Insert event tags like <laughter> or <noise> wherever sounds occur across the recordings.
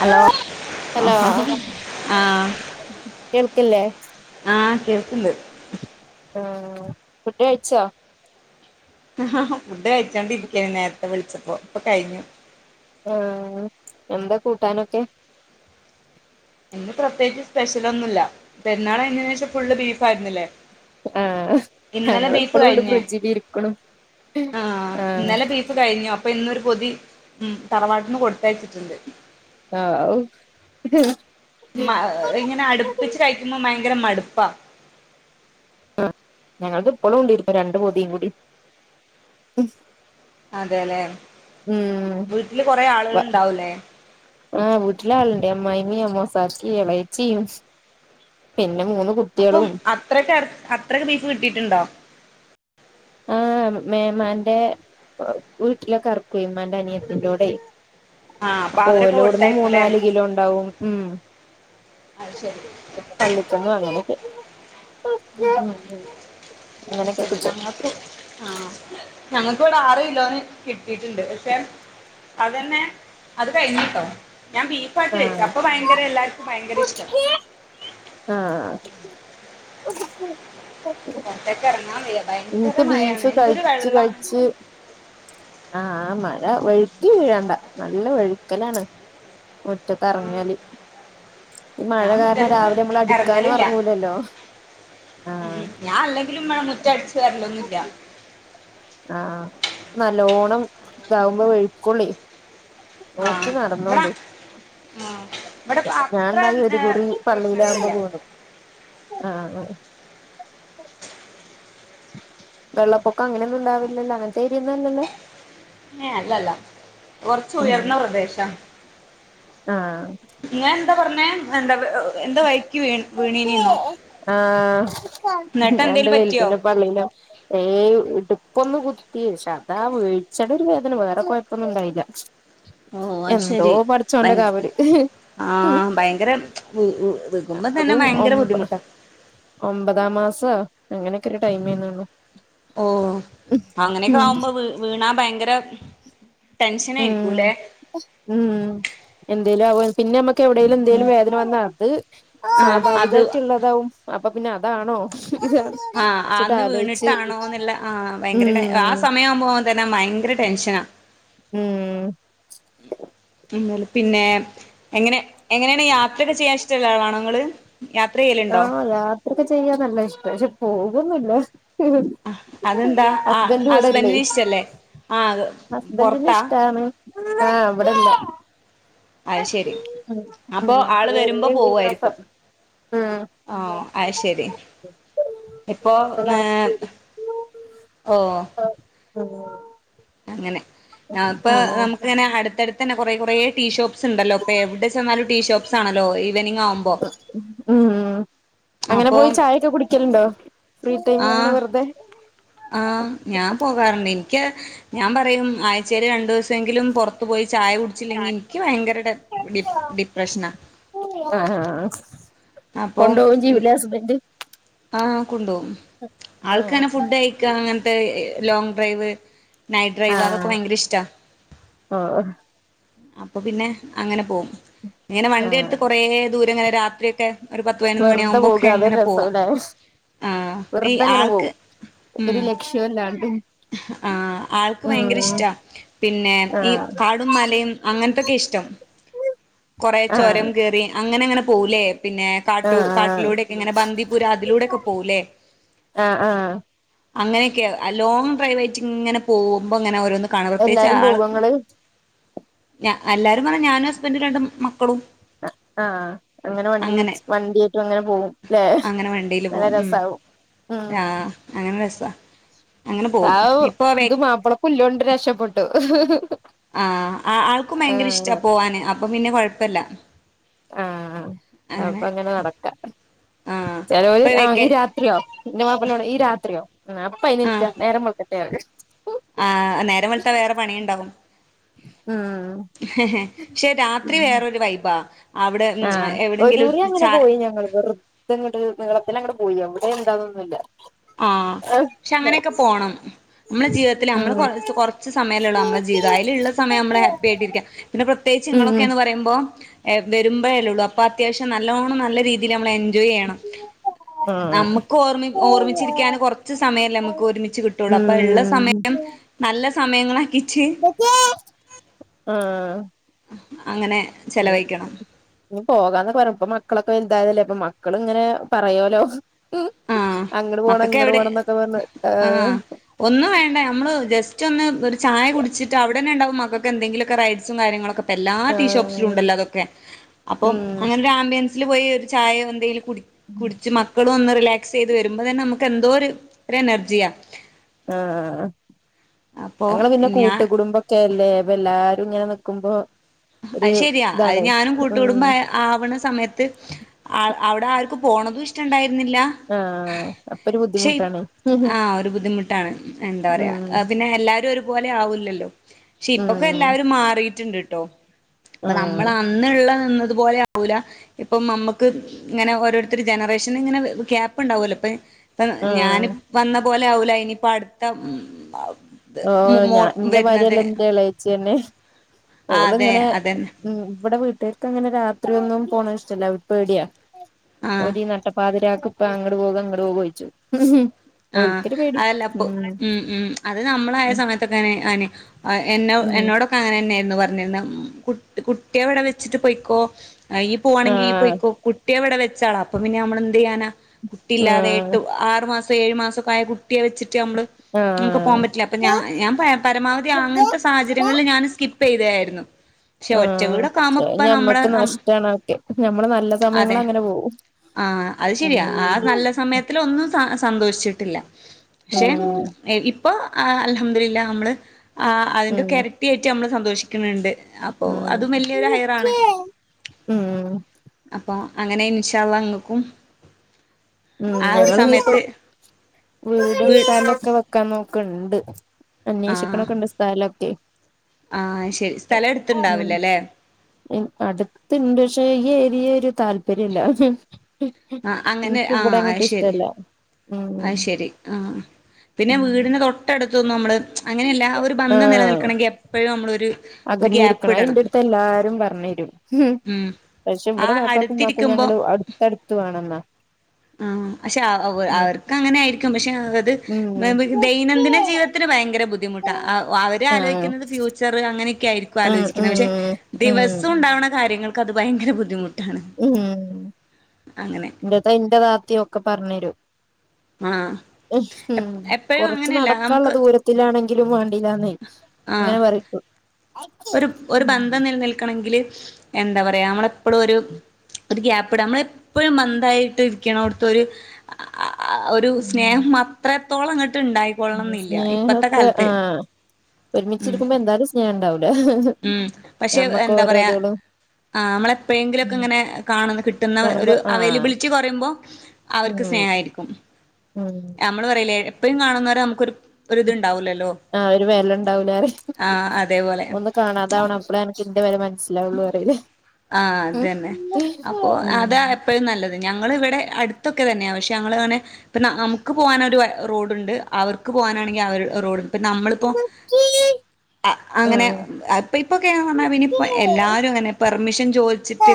Hello hello ആഹ് കേൾക്കില്ലേ ആഹ് കേൾക്ക്ണ്ട് ആഹ് ഫുഡ്‌ കഴിച്ചോ? ഫുഡ് കഴിച്ചോണ്ടിരിക്കായിരുന്നു നേരത്തെ വിളിച്ചപ്പോ ഇപ്പൊ കഴിഞ്ഞു ആഹ് എന്താ കൂട്ടാനൊക്കെ? ഇന്ന് പ്രത്യേകിച്ച് സ്പെഷ്യലൊന്നുല്ലാ പെരുന്നാളയിഞ്ഞേന് ശേഷം ഫുള്ള് ബീഫായിരുന്നില്ലേ? ആഹ് ഇന്നലെ ഞങ്ങള് ബീഫ് ഇപ്പളു ഇണ്ട് കഴിഞ്ഞ് ഫ്രിഡ്ജില് ഇരിക്കണു ആഹ് ഇന്നലെ ബീഫ് കഴിഞ്ഞു അപ്പൊ ഇന്നൊരു പൊതി തറവാട്ട്ന്ന് കൊടുത്തയച്ചിട്ട്ണ്ട്. ഹാവു മാ ഇങ്ങനെ അടുപ്പിച്ച് കഴിക്കുമ്പോ ഭയങ്കര മടുപ്പാ ഞങ്ങളത് ഇപ്പളുണ്ട് രണ്ട് പൊതിം കൂടി അതേല്ലെ ഉം വീട്ടില് കൊറേ വ ആളുകൾണ്ടാവൂല്ലേ? ആഹ് വീട്ടിലാള്ണ്ട് അമ്മായിമീ അമ്മോസാക്കി എളച്ചിം പിന്നെ മൂന്ന് അപ്പം അത്രക്കട് അത്രക്ക് ബീഫ് കിട്ടീട്ടുണ്ടോ? ആഹ് മേമാന്റെ വീട്ടിലെക്കെ അറക്കേ ഉമ്മാന്റെ അനിയത്തിന്റോടേം ആഹ് അപ്പൊ അവരൊക്കെ ഓലോടുന്ന് കൊടുത്തയക്കൂല്ലേ മൂന്നാല് കിലോണ്ടാവും ഉം അത് ശരി പള്ളിക്കന്നും അങ്ങനൊക്കെ അത് അങ്ങനെയൊക്കെ ശരി കിട്ടും ഞങ്ങക്കും ആഹ് ഞങ്ങക്ക് ഇവിടെ ആറ് കിലോന് കിട്ടീട്ട്ണ്ട് പക്ഷെ അതെന്നെ അത് കഴിഞ്ഞിട്ടാ ഞാൻ ബീഫ് ആക്കി വെച്ചു ആഹ് അപ്പ ഭയങ്കര എല്ലാവർക്കും ഭയങ്കര ഇഷ്ട്ടം ആഹ് പൊറത്തെക്കെറങ്ങാൻ വയ്യാ ഭയങ്കര എനിക്ക് മഴയാണ് ബീഫ് എന്തൊരു കഴിച്ച് വെള്ള <unintelligible> ആഹ് ആഹ് മഴ വഴുക്കി വീഴണ്ടാ നല്ല വഴുക്കലാണ്. ആ മുറ്റത്തെറങ്ങിയാല്. ഈ മഴ ഞാൻ കാരണം മുറ്റത്തേക്ക് രാവിലെ നമ്മള് അടിക്കാനു ഇറങ്ങലില്ല എറങ്ങൂലല്ലോ ആഹ് ഉം. ഞാൻ അല്ലെങ്കിലും വ്ടെ മുറ്റടിച്ച് വാരല്ലൊന്നുല്ലാ. ആഹ് നല്ലോണം ഇതാവുമ്പോ വഴുക്കോള്ളെ ആ നോക്കി ഇവിടെ നടന്നോണ്ടു ആ ഇവിടെ ഞാ ഇപ്പൊ അത്ര ഞാൻണ്ടായി ഒരു ഏ, കുറി പള്ളിലാവുമ്പോ പ്രശ്നങ്ങളില്ല വീണു ആഹ്. വെള്ളപ്പൊക്കം അങ്ങനൊന്നും ഇണ്ടാവില്ലല്ലോ അങ്ങൻ തെരിന്നാല് ഏഹ് അല്ലല്ലാ ആഹ് കൊറച്ചുയർന്ന പ്രദേശാ ആഹ് ങ്ങഎന്താ പറഞ്ഞേ എന്താ, എന്താ ഏഹ്. ആഹ് എന്നിട്ട് എന്തേലും ഞാന്റെ പറ്റിയോ വെലുതിനെ പള്ളീലാ ഏയ് ഇടുപ്പൊന്ന് കുത്തിയക്ഷെ അതാ വീഴ്ചയുടെ ഒരു വേദന വേറെ കുഴപ്പൊന്നും ഇണ്ടായില്ല. ഓ അത് എന്തോ ശരി ഭയ പടച്ചോന്റെ കാവല്. ആഹ് ഭയങ്കര വിക്മ്പം തന്നെ അതും ഭയങ്കര ഒമ്പ ബുദ്ധിമുട്ടാ. ഒമ്പതാം മാസ അങ്ങനെക്കെരു ടൈംമെന്നുള്ളൂ. ഓ അങ്ങനെക്കെ ആവുമ്പോ വീ വീണാ ഭയങ്കര. ഉം ടെൻഷനേയിരിക്കൂലെ. ഉം എന്തേലും ആകും. പിന്നെ അമ്മക്ക് എവിടെലും എന്തേലും വേദന വന്നാ അത് ആഹ് അത് സ്വാഭാവികായിട്ട്ള്ളതാവും. അപ്പൊ പിന്ന അതാണോ ഇത് ആഹ് വച്ചിട്ടാലോയിച്ച്. ഭയങ്കരട്ടെൻ ആ സമയമാകുമ്പോഅതന്ന ഭയങ്കര ടെൻഷനാ. ഉം ഉം പിന്നെ എങ്ങനെ എങ്ങനെണ് യാത്രക്കെ ചെയ്യാൻ ഇഷ്ടള്ള ആളാണോങ്ങള്? യാത്രയ്യല്. ആഹ് യാത്രക്കെ ചെയ്യാൻ നല്ല ഇഷ്ട പക്ഷെ പോകൊന്ന്ല്ല. അതെന്താ ആ ഹസ്ബെന്റ് ഇവടെല്ലേ? ഹസ്ബൻഡിന് ഇഷ്ടല്ലേ ആ പൊറത്താ ഹസ്ബന്റിനിഷ്ട്ടാണ് ആഹ് ഇവിടെല്ല. അ ശെരി ഉം അപ്പൊ ഉം ആള് വരുമ്പോ വരുന്നുണ്ട് ഈ മാസം പോവുആയിരിക്കും. ഉം ആ അ ശരി ഇപ്പോ. മാസം ലാസ്റ്റ് ഓ ഓ. അങ്ങനെ ഇപ്പ നമുക്ക്‌ങ്ങനെ അടുത്തടുതന്നെ കുറെ, കുറെ ടീഷോപ്പ്. സ്ണ്ടല്ലോപ്പൊ എവിടെ ചെന്നാലും ടീഷോപ്സ് ആണല്ലോ ഇവനിംഗ് ആവുമ്പോ. ഉം ഉ അപ്പോ. ക്കലുണ്ടോ ഫ്രീ ടൈം ഇങ്ങനെ വെറുതെ. ആഹ് ഞാൻ പോകാറുണ്ട് എനിക്ക്. ഞാൻ പറയും ആഴ്ച്ചേല് രണ്ടുസംങ്കിലും പുറത്തു പോയി ചായ കുടി ചില്ലെങ്കി എനിക്ക് ഭയങ്കര ടെ, ടി, ഡിപ്രഷനാ. ആഹ്, ആ, ആഹ്, ആ അപ്പം കൊണ്ടോവെയും ചെയ്യൂല്ലേ ഹസ്ബന്റ്. ആ കൊണ്ടോവും ആൾക്ക്ങ്ങനെ ആഹ് ഫുഡ് കയിക്ക അങ്ങനത്തെ ലോങ് ഡ്രൈവ്. നൈറ്റ് ഡ്രൈവ് അതൊക്കെ ആഹ് ഭയങ്കര ഇഷ്ടാ. ഓ അപ്പൊ പിന്നെ അങ്ങനെ പോകും. ഇങ്ങനെ ആഹ് വണ്ടിയെടുത്ത് കൊറെ ദൂരം ഇങ്ങനെ രാത്രി ഒക്കെ. ഒരു പത്ത് പതിനൊന്ന് വെറുതെ പോകുക മണിയാവുമ്പോക്കെ അതൊരു എങ്ങനെ പോവാ. രസംല്ലേ ആഹ് ഈ വെറുതെ അങ്ങനെ ആൾക്ക് പോവും ഉം. <unintelligible> ആ ആൾക്ക് ഭയങ്കര ഉം ഇഷ്ടാ പിന്നെ ഈ ആഹ് കാടും മലയും. അങ്ങനത്തൊക്കെ ഇഷ്ടം കൊറേ ആഹ് ചൊരം കേറി അങ്ങനെ, അങ്ങനെ പോവുലേ. പിന്നെ കാട്ടു ആഹ് കാട്ടിലൂടെക്കെ ഇങ്ങനെ ബന്ദിപുര അതിലൂടെക്കെ പോവുലേ. ആഹ് ആഹ് അങ്ങനെയൊക്കെ ലോങ് ഡ്രൈവായിട്ടിങ്ങനെ പോകുമ്പോങ്ങനെ ഓരോന്ന് ക്കാണ് പ്രത്യേകിച്ച് എല്ലാരും ആൾ പോകോ ഇങ്ങള് ഞ എല്ലാരും പറയും ഞാനും ഹസ്ബന്റും രണ്ട് മക്കളും. ആഹ് അങ്ങനെ വണ്ടിവിളിച്ച് വണ്ടിയായിട്ടും അങ്ങനെ പോവുംല്ലെ. അങ്ങനെ വണ്ടിയില് നല്ല പോകും ഉം രസാവും ആ ഉം അങ്ങനെ രസ അങ്ങനെ പോകവും ആഹ ഇത് മാപ്പിളക്കുല്ലൊണ്ട് രക്ഷപ്പെട്ടു ആഹ ആൾക്കും ഭയങ്കര ഇഷ്ടാ ആഹ് പോവാന് അപ്പം പിന്നെ കൊഴപ്പില്ല ആഹ ആഹാ അപ്പൊ അങ്ങനെ നടക്കാം ആ ചിലൊരു ഇപ്പൊ ഈ വെക്കെ രാത് രാത്രിയോ മാപ്പോടെ ഈ രാത്രിയോ ഉ അപ്പൊ അനി നേരം മുളക്കട്ടെ ആഹ നേരം വെളുത്താൽ വേറെ പണിയുണ്ടാവും മ്മ് ഹ ഹ പക്ഷെ രാത്രി വേറൊരു വൈബാ അവിടെ ആഹ ഒ എവിടെങ്കിലും ദൂരെ അങ്ങനെ ചാ പോയി ഞങ്ങൾ വെറ ഇ ഇങ്ങട്ട് നിങ്ങളളത്തിന്നെ അങ്ങടെ പോയി അ ഇവിടെ എന്താന്നൊന്നുമല്ല ആഹ പക്ഷെ അങ്ങനെയൊക്കെ പോണം നമ്മള ജീവിത്തിൽ നമ്മള്റ കുറച്ച് സമയലെഉള്ളു നമ്മുടെ ജീവിതം അതിലുള്ള സമം നമ്മള് ഹാപ്പ ആയിട്ടിരിക്കാം പിന്നെ പ്രത്യേകിച്ച് ഉം ഇങ്ങളൊക്കെ ഉം എന്ന് പറയുമ്പോ വരുമ്പോഴേല ഉള്ളൂ അപ്പൊ അത്യാവശ്യം നല്ലോണം നല്ല രീതി മ്മ എൻജോയ് ചെയ്യണം ആഹ് നമുക്ക് ഓർ ഓർ ചിരിക്കൻ കുറച്ച് സമയമല്ലേ നമുക്ക് ഉം ഒരുമിച്ച് കിട്ടുള്ളൂ അപ്പൊ ഉള്ള സമയം നല്ല സമയങ്ങളാക്കിട്ട് ഏ ആം അങ്ങനെ ചെലവഴിക്കണം ഇ പോകാന്നെ പറ ഇപ്പൊ മക്കളൊക്കെ വലുതല്ലേ ഇപ്പൊ മക്കള ഇങ്ങനെ പറയലോ മ് ആഹ് അങ്ങട് പോണം മക്കക്ക് ഇങ്ങട് പോണം എന്നൊക്കെ പറ ആഹ് ഒന് വേണ്ട നമ്മള് ജസ്റ്റ് ഒന്ന് ഒരു ചായ കുടിച്ചിട്ട് അവിടെന്നെ ഉണ്ടാവും മക എന്തെങ്കിലുമൊക്കെ റ്സും കാര്യങ്ങളൊക്കെ എല്ലാ ടീ ഷോപസും ആഹ് ഉണ്ടല്ലോ അതൊക്കെ അപ്പൊ ഉം അങ്ങനെ ഒരുൻ പോയി ചായ എന്തെലും കു കുടിച് മക്കളും ഒന്ന് റിലാക് ചെയ്ത് വരുമ്പ തന്നെ നമുക്ക് എന്തോ ഒരു എനർജിയാ ആഹ അപ്പോ ഞങ്ങള് പിന്നെ ഞാൻ കൂട്ടുകുടുംബ ഒക്കെല്ലേ അപ്പൊ എല്ലാരും ഇങ്ങനെ നക്കുമ്പോ അത് ശരിയാ അത് ഞാനും ഉം കൂട്ടുകൂടുമ്പോ ആവണ സമയത്ത് അവിടെ ആർക്ക് പോണതും ഇഷ്ടുണ്ടായിരുന്നില്ല ആഹ ആഹ് അപ്പൊ ഒരു ഷേ ബുദ്ധിമുട്ടാണ് ഉം ആഹാ ബുദ്ധിമുട്ടാണ് എന്താ പറയാ പിന്നെ എല്ലാരും അപോലെ ആവില്ലല്ലോ പക്ഷെ ഉം ഇപ്പൊക്കെ എല്ലാവരും മാറിട്ടുണ്ട് കേട്ടോ അപ്പ നമ്മൾ ആഹ് അന് ഉള്ള നിന്നതു പോലെ ആവൂല ഇപ്പൊ നമ്മുക്ക് ഇങ്ങനെ ഓരോരുത്തരു ജനറേഷന് ഇങ്ങനെ ഗ്യാപ്പ് ഉണ്ടാവല്ലോ ഇപ്പൊ ഇ ഞൻ ആഹ് വന്ന പോലെ ആവുല ഇനിയിപ്പ അടുത്ത ഓ മോ ഞാൻ എന്റെ വരുന്നത് മരിയല്ല എന്റെളേച്ചി തന്നെ ആ ഓള അതെ ഇങ്ങനെ അതന്നെ ഉ ഇവിടെ വീട്കാർക്ക് അങ്ങനെ രാത്രി ഒന്നും പോണ ഇഷ്ടല്ല പേടിയാ ആ തി നഷപ്പാതിരാക്ക ഇപ്പ അങ്ങ് പോകും അങ്ങ് പോക ചഴിച്ചു ആഹ അതല്ല അപ്പൊ ഉം ഉ അത് നമ്മളയ സമയത്തൊക്കെ എന്ന ഉം എന്നോട അങ്ങനെ തന്നെയായിരുന്നു പറഞ്ഞിര കു കുട്ടിയെ അവിടെ വെച്ചിട്ട് പോയിക്കോ പോകവാണെങ്കിൽ ആഹ് പോയിക്കോ കുട്ടിയെ എവിടെ വെച്ചള അപ്പൊ പിന്നെ നമ്മള എന്ത് ചെയ്യാനാ കുട്ടിയില്ലാതെ ആഹ് എട്ട് ആറു മാസം ഏഴു മാസമ ഒക്കെ ആയ കുട്ടിയെ വെച്ചിട്ട് നമ്മള് നമുക്ക് പോകാൻ ആഹ് പറ്റില്ല അപ്പൊ ഞാൻ പരവധി അങ്ങനത്തെ സാഹചര്യങ്ങളിൽ ഞാൻ സ്കിപ്പ് പെയ്തായിരുന്നു ആഹ ഞമ്മക്ക് നഷ്ടണ ഒക്കെ നഞമ്മള് നല്ല സമയങ്ങള അങ്ങനെ പോകും ആഹ അത് ശരിയാ ആ നല്ല സമയത്തി ഒന്നും സ സന്തോഷിച്ചിട്ടില്ല പക്ഷെ ഉം ഇപ്പൊ അൽഹദൂലീള നമ്മള് ഉം അതിന്റെക്കാ ഇരറ്റിയ ആയിട്ട് നമ്മള് സന്തോഷിക്കും ക്ക്ണ് ണ്ട് അപ്പൊ അതും വല്ല്യയൊരു ഹയ്റാണ് ഉം അപ്പൊ അങ്ങനെ ഇൻശാ അല്ലാഹ് ഇങ്ങക്കും ഉം ആ ഒരു ഞങ്ങളിഞ്ഞിപ്പോ സമയത്ത് വീടും വീ സ്ഥലൊക്കെ വെക്കാൻ നോക്ക്ണ്ട് ആഹ് അന്വേഷിക്ക്ണൊക്കെണ്ട് സ്ഥലൊക്കെ ആഹ് അഹ് ശരി സ്ഥലം എടുത്ത്ണ്ടാവില്ല അല്ലെ? ഉം അടുത്തുണ്ട് പക്ഷെ ഈ ഏരിയ ഒരു താല്പര്യല്ല ആഹ് അങ്ങനെ ഇൻക്ക് ഇവിടെങ്ങട്ട് ഇഷ്ടല്ല ഉം അഹ് ശരി ആ പിന്നെ ഉം വീടിന് തൊട്ടടുത്തൊന്നും നമ്മള് അങ്ങനെയല്ല ആ ഒരു ബന്ധം ആഹ് നിലനിൽക്കണമെങ്കിൽ എപ്പഴും നമ്മളൊര് അകന്നിരിക്കണം അതിന്റെ എടുത്ത് എല്ലാരും പറഞ്ഞു തരും ഉം പക്ഷെ ആ ഇവടെ ബാപ്പാക്കും ഇമാക്കും അടുത്തിരിക്കുമ്പോ ഞങ്ങള് അടുത്തടുത്ത് വാണംന്ന ആഹ് പക്ഷെ അവർക്ക് അങ്ങനൊയിരിക്കും പക്ഷെ അത് ഉം ദൈനംദിന ജീവിതത്തിന് ഭയങ്കര ബുദ്ധിമുട്ട് അവര് ആഹ് ആലോചിക്കുന്നത് ഫ്യൂച്ചർ അങ്ങനെയൊക്കെ ആയിരിക്കും ആഹ് ആലോചിക്ക്ണെ ഉം പക്ഷെ ദിവസം ഉം ഇണ്ടാവ്ണെ കാര്യങ്ങൾക്ക് അത് ഭയങ്കര ബുദ്ധിമുട്ട ഉം അങ്ങനെ എന്റെ ത ഇന്റെ താത്തിം ഒക്കെ പറഞ്ഞ് തരും ആഹ് ഉം എപ്പോഴും കൊറച്ച് അങ്ങനെയല്ല നടക്കാള്ളെ നമുക്ക് ദൂര ത്തിലാണെങ്കിലും വേണ്ടില്ലാന്നെ ഇങ്ങനെ ആഹ് പറയും ഒരു ഒരു ഉം ബന്ധം നിലനിൽക്കണെങ്കില് എന്താ പറയാ നമ്മളെപ്പളും ഒര് ഒരു ഗ്യാപ്പ് ഇടാ നമ്മള എപ്പഴും ബഡായിട്ട് ഇരിക്ക്ണോട്ത്തൊര് ആഹാ ഒരു സ്നേഹം അത്രത്തോളം ഇങ്ങട്ട് ഇണ്ടായി സ്നേഹക്കെ ആഹ് ഉം ഒരുമിച്ചിരിക്കുമ്പോ എന്തായാലും സ്നേഹം ഇണ്ടാവൂല ഉം പക്ഷെ എഹ് എന്താ പറയാ ആ അമ്മളെ എപ്പഴെങ്കിലൊക്കെ ഉം ഇങ്ങനെ കാണ കിട്ടുന്ന ഒരു കാണുമ്പോ ആഹ് അവൈലബിലിറ്റി കുറയുമ്പോ ഉം അവര്ക്ക് സ്നേഹായിരിക്കും ഉം നമ്മള് പറയൂല്ലേ എപ്പഴും കാണുന്നോരെ നമുക്കൊര് ഒരുത്ണ്ടാവുലല്ലോ ആഹ് ഒരു വെല ഇണ്ടാവൂലാറിം അതേപോലെ ഒന്ന് കാണാതാവണം അപ്പളെ അൻക്ക് ഇന്റെ വെല മനസ്സി ലാവൊള്ളു പറിയില്ലേ ആഹ് അതന്നെ. അപ്പൊ ഉം അതാ എപ്പഴും നല്ലത് ഞങ്ങളിവിടെ അടുത്തൊക്കെ തന്നെയാ പക്ഷെ ഞങ്ങളെങ്ങനെ പിന്നെ നമുക്ക് പോകാനൊരു റോഡ്ണ്ട് അവർക്ക് പോകാനാണെങ്കി അവര് അവരുടെ റോഡ്ണ്ട് ഇപ്പ നമ്മളിപ്പോ അങ്ങനെ ആഹ് ഇപ്പ ഇപ്പൊക്കെയന്ന് പറഞ്ഞാൽ പിന്നിം എല്ലാരു അങ്ങനെ പെർമിഷൻ ചോദിച്ചിട്ട്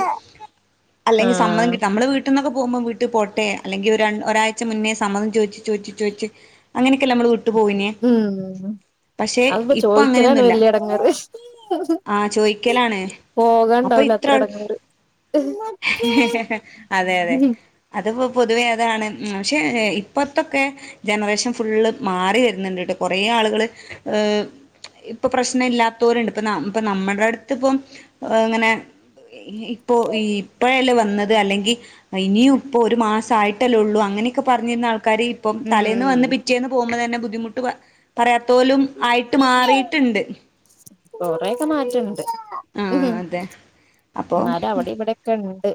അല്ലെങ്കി സമ്മതം ആഹ് കിട്ടി നമ്മള് വി ട്ട്ന്നൊക്കെ പോകുമ്പോ വീട്ട് പോട്ടെ അല്ലെങ്കി ഒരു ഒരാഴ്ച മുന്നേ സമ്മതം ചോയിച്ച് ചോയിച്ച്. ചോയിച്ച് അങ്ങനെക്കെല്ലെ നമ്മള് വീ ഉം അഹ്പ്പൊ ഇപ്പൊ ചോയ്ക്കലാണ് അങ്ങനെയൊന്നുല്ല. വല്യ എടങ്ങേറ് ആഹ് ചോയിക്കലാണ്. പോകാ അപ്പൊ ഇണ്ടാവൂല ഇത്ര അത്ര എളു എടങ്ങേറ് ഉം അത്പ്പം പൊതുവേ അതാണ് പക്ഷേ ഇപ്പത്തൊക്കെ ജനറേഷൻ ഫുള്ള് മാറി വരുന്നുണ്ട്ട്ടോ കൊറേ ആളുകള് ഏഹ് ഇപ്പൊ പ്രശ്നയില്ലാത്തോര്ണ്ട് ഇപ്പ നമ്മ ഇപ്പ നമ്മടെ അടു ത്ത്പ്പം ഏഹ് ഇങ്ങനെ ഇപ്പോ ഇപ്പഴല്ലേ വന്നത് അല്ലെങ്കി ഇനിയും ഇപ്പോ ഒരു മാസയിട്ടല്ലേ ഒള്ളൂ അങ്ങനെയൊക്കെ പറഞ്ഞിരുന്ന ആൾക്കാര് ഇപ്പം തലേന്ന് വന്ന് ഉം പിറ്റേന്ന് പോകുമ്പോ തന്നെ ബുദ്ധിമുട്ട് പ പറയാത്തോലും ആയിട്ട് മാറീട്ണ്ട്. കൊറേയൊക്കെ മാറ്റണ്ട് ഉം. ആഹ് അതെ അപ്പൊ എന്നാലും അവിടീം ഇവിടെൊക്കെ ണ്ട്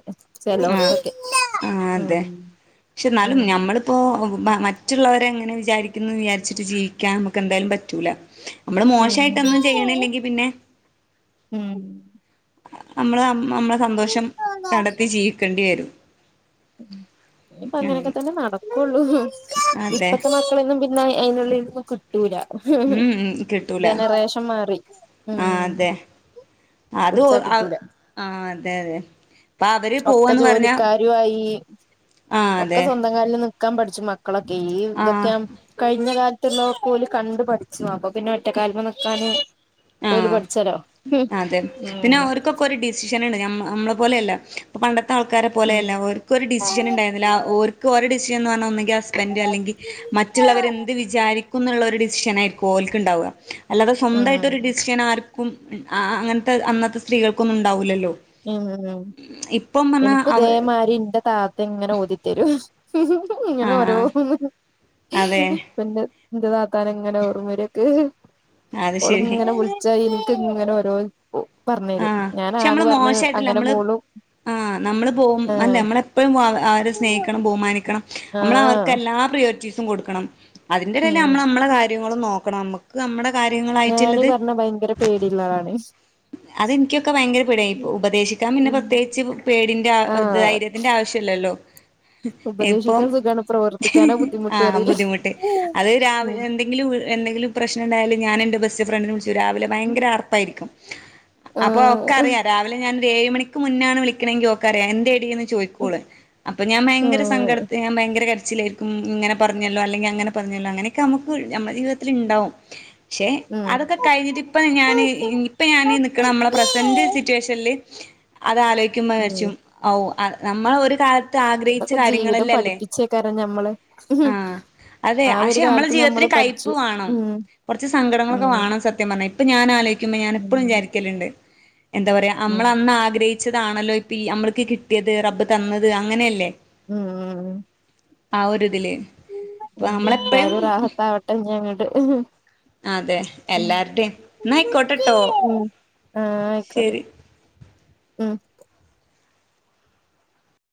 ചെലോട്‌ത്തൊക്കെ ഉം. ക്ഷെന്നാലും ഉം ഞമ്മള് പ്പൊ മ മറ്റ്ള്ളോര് എങ്ങനെ വിചാരിക്കുന്നു വിചാരിച്ചിട്ട് ജീവിക്കാൻ നമുക്ക് എന്തായാലും പറ്റൂല. നമ്മള് മോശായിട്ടൊന്നും ഉം ചെയ്യണില്ലെങ്കി പിന്നെ ഉം അമ്മള് അമ്മളെ സന്തോഷം കടെത്തി ജീവിക്കേണ്ടി വരും. അങ്ങനെ ഇഞ്ഞിപ്പങ്ങനെക്കെതന്നെ നടക്കൊള്ളൂ അതെ ഇപ്പത്തെ മ ഇങ്ങള് പിന്നെ അയ്നുള്ളിര്ന്ന്ക് ക്‌ ട്ടൂല ഉം ഉം കിട്ടൂല ജനറേഷം മാറി ആഹ് ഉം. അതെ അത് ഒ പിടിച്ചാ ആഹ് കിട്ടൂല അതെ അതെ. അപ്പൊ അവര് ഒക്കെ പോവാന്ന് പറഞ്ഞാ ജോലിക്കാരുആയി. ആഹ് ഒക്കെ അതെ സ്വന്തം കാല് നിക്കാൻ പഠിച്ചു മക്കളൊക്കെ ഈ ഇതൊക്കെ ആഹ് കയ്ഞ്ഞ കാൽത്തുള്ളൊക്കെ ഓല് കണ്ടു പഠിച്ചു അപ്പൊ പിന്നെ ഒറ്റ കാൽ മേൽനിക്കാന് ആഹ് അതെ പിന്നെ ഓർക്കൊക്ക ഒര് ടി ഡിസിഷനാണ് നമ്മളെ പോലെയല്ല ഇപ്പൊ പണ്ടത്തെ ആൾക്കാരെ പോലെയല്ല ഓർക്കൊരു ഡിസിഷൻ ഇണ്ടായിര്ന്നില്ല ഓർ ക്ക് ഓലെ ഡിഷൻ എന്ന് പർഞ്ഞ ഒന്നെങ്കി സ്ബൻഡ് അല്ലെങ്കി മറ്റ്ള്ളവര് എന്ത് വിചാരി ക്കും എന്നുള്ള ഒരു ഡിസിഷനായിരിക്കും ഓൽക്ക്ണ്ടാവ അല്ലാതെ സ്വന്ത ഉം ക്രിസ്ത്യൻ ആർക്കും ആ അങ്ങൻത്തെ അന്നത്തെ സ്ത്രീകൾക്കൊന്നും ഇണ്ടാവൂലല്ലോ. ഉം ഇൻക്കും അവ ഇദേമാരി എന്റെ താത്തങ്ങനെ ഓതിത്തരും. ഇങ്ങനെ ആഹ് ആഹ് ഓരോന്ന്. അതെ അപ്പന്റെ ന്റെ താത്താനെങ്ങനെ ഓർമ്മരൻക്ക് അത് ശരി ഓള്ങ്ങനെ വിൾ ച്ച് ഇൻക്ക്ങ്ങനെ ഓരോ ഒ പർഞ്ഞെരും ആഹ് ഞാൻ പക്ഷെ ആന്ന് നമ്മള് പർഞ്ഞ് മോശായിട്ടല്ല അങ്ങനെ നമ്മള് മൂളും. ആഹ് നമ്മള് പോ അല്ലേ നമ്മളെപ്പഴും അവരെ സ്നേഹിക്കണം ബഹുമാനിക്കണം നമ്മള് അവർക്ക് ആഹ് എല്ലാ പ്രയോരിറ്റീസും കൊടുക്കണം അതിന്റെടേല് ഉം അമ്മള് അമ്മളെ കാര്യങ്ങളും നോക്കണം നമ്മ ക്ക് നമ്മളെ കാര്യങ്ങളായിട്ട്ള്ളത്. ലാണി അതെൻക്കൊക്കെ ഭയങ്കര പേടിനി ഇപ്പ ഉപദേശിക്കാൻ പിന്നെ ഉം പ്രത്യേകിച്ച് പേടിന്റെ ആഹ് ധൈര്യത്തിന്റെ ആവശ്യല്ലല്ലോ. ഇപ്പം ഉപദേശിക്കാൻ സുഖാണ് പ്രവർത്തിക്കാനാ ബുദ്ധിമുട്ട് ആഹ് അറിയില്ലേ ബുദ്ധിമുട്ട് അത് ഉം രാവിലെ എന്തെ ങ്കിലും എന്തെങ്കിലും പ്രശ്നം ഇണ്ടായാല് ഞാനെന്റെ ബെസ്റ്റ് ഫ്രണ്ട്നെ വിളിച്ച് രാവിലെ ഭയങ്കര ആർപ്പായിരിക്കും. ആഹ് അപ്പൊ ആഹ് ഓക്കറിയാ രാവിലെ ഞാനൊര് ഏഴ് മണിക്ക് മുന്നാണ് വിളിക്കണെങ്കി ഓക്കറിയാ എന്തേടിന്ന് ചോയിക്കോള് അപ്പൊ ഞാൻ ഭയങ്കര സങ്കടത്ത് ഞാൻ ഭയങ്കര കരച്ചിലായിരി ഉം ഇങ്ങനെ പർഞ്ഞല്ലോ അല്ലെങ്കി അങ്ങനെ പർഞ്ഞല്ലോ അങ്ങനെയൊക്കെ നമുക്ക് നമ്മുടെ ജീവിതത്തില്ണ്ടാവും. ക്ഷെ ഉം അതൊക്കെ കഴിഞ്ഞിട്ട് ഇപ്പൊ ഞാന് ഇപ്പൊ ഞാന് നിക്കണ നമ്മളെ പ്രസന്റ് സിറ്റുവേഷൻല് അത് ഉം ആലോയ്ക്കുമ്പാച്ചാര്‌ച്ചും. ഔ നമ്മളൊരു കാല ത്താഗ്രഹിച്ച ഇതൊക്കെ ജീവിതം കാര്യങ്ങളലല്ലേ പഠിപ്പിച്ചേക്കാരം ഞമ്മളെ ആഹ്. അതെ ആ ഒരു പക്ഷെ നമ്മളെ കാലത്ത് ജീവിതത്തില് ഞമ്മള് പഠിച്ചു കയ്പ്പ് വാണം. ഉം കൊർച്ച് സങ്കടങ്ങളൊക്കെ ഉം വാണം സത്യ പർഞ്ഞാ ഇപ്പൊ ഞാനാലോയിക്കുമ്പൊ ഞാന് എപ്പളും ഉം വിചാരിക്കല്ണ്ട് എന്താ പറയാ ഉം നമ്മളന്നാഗ്രഹി ച്ചതാണല്ലോ ഇപ്പഈ അമ്മൾക്ക് കിട്ടിയത് റബ് തന്നത് അങ്ങനെയല്ലേ? ഉം. ആ ഒരിതില്. അപ്പൊ നമ്മളെപ്പഴും എന്തായാലും റാഹത്താവട്ടെ ഇനിയങ്ങ്ണ്ട് അതെ എല്ലാരുടെയും എന്നാ ആയിക്കോട്ടെട്ടോ ആഹ് ആയിക്കോട്ടെ ശരി ഉം